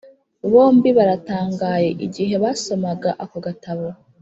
Bombi baratangaye igihe basomaga ako gatabo